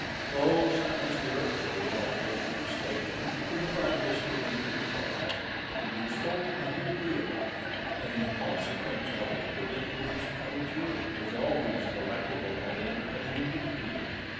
Those, I must here observe, are greatly mistaken who divide history into two parts, the useful and the agreeable; and in consequence of it, would introduce panegyric as always delectable and entertaining to the reader.